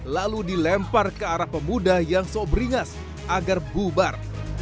lalu dilempar ke arah pemuda yang sob beringas agar bubar